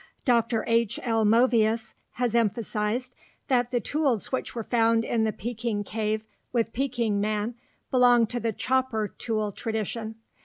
Dr. H. L. Movius has emphasized that the tools which were found in the Peking cave with Peking man belong to the chopper tool tradition.